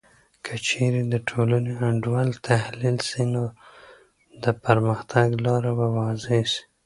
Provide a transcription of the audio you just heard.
که چیرې د ټولنې انډول تحلیل سي، نو د پرمختګ لاره به واضح سي.